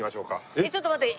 えっちょっと待って。